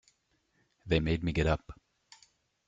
They made me get up.